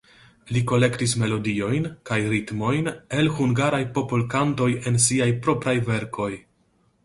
Li kolektis melodiojn kaj ritmojn el hungaraj popolkantoj en siaj propraj verkoj.